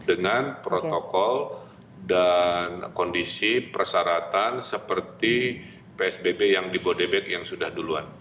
dengan protokol dan kondisi persyaratan seperti psbb yang di bodebek yang sudah duluan